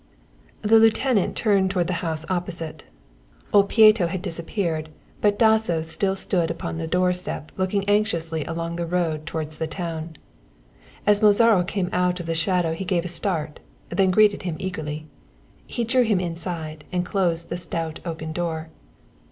The lieutenant turned towards the house opposite. Old Pieto had disappeared, but Dasso still stood upon the doorstep looking anxiously along the road towards the town. As Mozaro came out of the shadow he gave a start, then greeted him eagerly. He drew him inside and closed the stout oaken door.